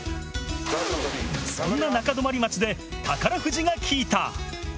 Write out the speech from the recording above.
そんな中泊町で、宝富士が聞いた。